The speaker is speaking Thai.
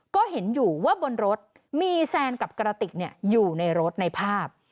ก็เห็นอยู่ว่าบนรถมีแซนกับกระติกอยู่ในรถในภาพ